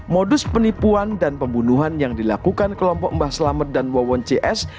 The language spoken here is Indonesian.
modus penipuan dan pembunuhan yang dilakukan kelompok mbah selamet dan wawon cs